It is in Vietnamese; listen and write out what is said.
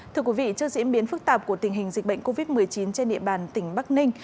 thưa quý vị trước diễn biến phức tạp của tình hình dịch bệnh covid một mươi chín trên địa bàn tỉnh bắc ninh